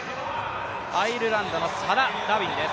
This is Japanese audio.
アイルランドのサラ・ラビンです。